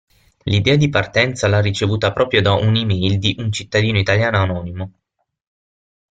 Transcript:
L'idea di partenza l'ha ricevuta proprio da un'e-mail di un cittadino italiano anonimo.